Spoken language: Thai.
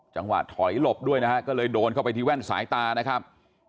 จังหวะถอยหลบด้วยนะฮะก็เลยโดนเข้าไปที่แว่นสายตานะครับ